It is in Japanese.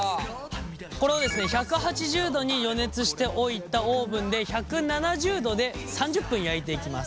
これをですね１８０度に予熱しておいたオーブンで１７０度で３０分焼いていきます。